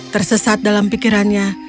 tersesat dalam pikirannya